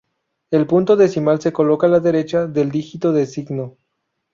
El punto decimal se coloca a la derecha del dígito de signo.